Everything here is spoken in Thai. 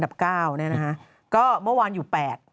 ๙เนี่ยนะคะก็เมื่อวานอยู่๘